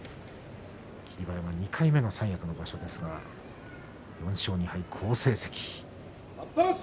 霧馬山２回目の三役の場所ですが４勝２敗、好成績。